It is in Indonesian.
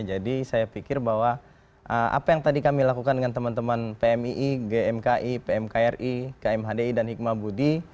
jadi saya pikir bahwa apa yang tadi kami lakukan dengan teman teman pmii gmki pmkri kmhdi dan hikmah budi